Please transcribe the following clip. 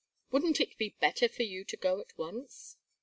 Wouldn't it be better for you to go at once?"